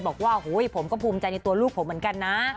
บอกว่าผมก็ภูมิใจในตัวลูกผมเหมือนกันนะ